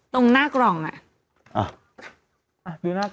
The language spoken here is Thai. ตรงหน้ากล่องอ่ะ